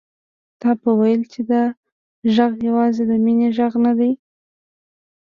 تا به ويل چې دا غږ يوازې د مينې غږ نه دی.